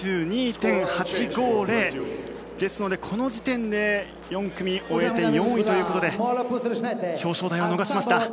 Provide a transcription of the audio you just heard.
ですので、この時点で４組終えて４位ということで表彰台は逃しました。